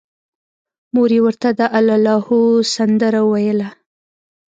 مور یې ورته د اللاهو سندره ویله